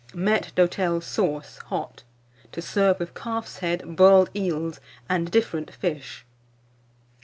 MAITRE D'HOTEL SAUCE (HOT), to serve with Calf's Head, Boiled Eels, and different Fish.